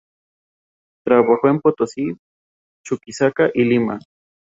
Trabajó en Potosí, Chuquisaca y Lima.